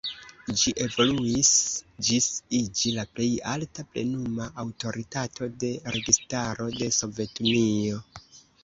Ĝi evoluis ĝis iĝi la plej alta plenuma aŭtoritato de registaro de Sovetunio.